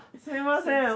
すみません。